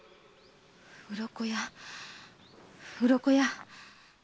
うろこやうろこや。